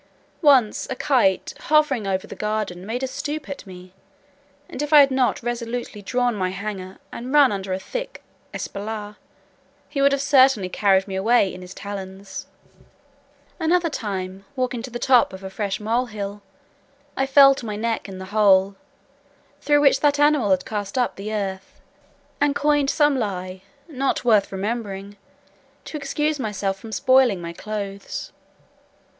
Once a kite, hovering over the garden, made a stoop at me, and if I had not resolutely drawn my hanger, and run under a thick espalier, he would have certainly carried me away in his talons. Another time, walking to the top of a fresh mole hill, I fell to my neck in the hole, through which that animal had cast up the earth, and coined some lie, not worth remembering, to excuse myself for spoiling my clothes.